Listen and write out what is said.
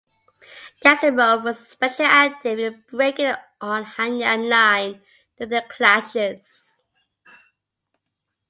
Gasimov was especially active in breaking the "Ohanyan Line" during the clashes.